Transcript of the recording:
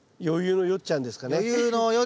余裕のよっちゃんですね。